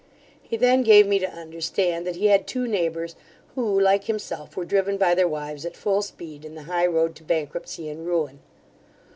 He then gave me to understand, that he had two neighbours, who, like himself, were driven by their wives at full speed, in the high road to bankruptcy and ruin.